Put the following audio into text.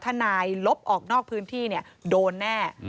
ถ้านายลบออกนอกพื้นที่โดนแน่